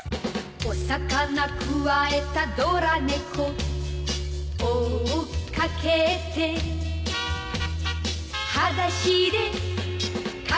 「お魚くわえたドラ猫」「追っかけて」「はだしでかけてく」